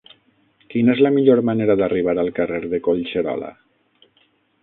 Quina és la millor manera d'arribar al carrer de Collserola?